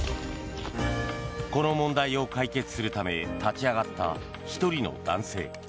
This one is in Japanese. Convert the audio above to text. この問題を解決するため立ち上がった１人の男性。